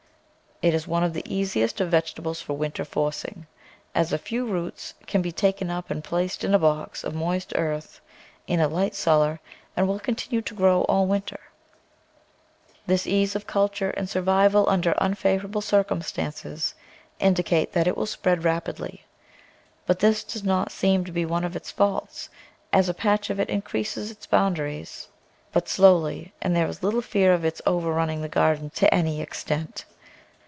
It is one of the easiest of vege tables for winter forcing, as a few roots can be taken up and placed in a box of moist earth in a light cellar and will continue to grow all winter. This ease of culture and survival under unfa vourable circumstances indicate that it will spread rapidly, but this does not seem to be one of its faults, as a patch of it increases its boundaries but PERENNIAL VEGETABLES slowly, and there is little fear of its overrunning the garden to any extent.